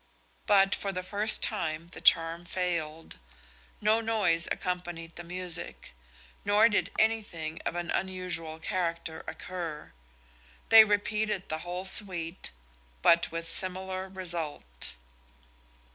But for the first time the charm failed: no noise accompanied the music, nor did anything of an unusual character occur. They repeated the whole suite, but with a similar result.